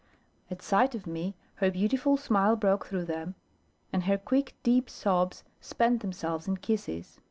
At sight of me, her beautiful smile broke through them, and her quick deep sobs spent themselves in kisses.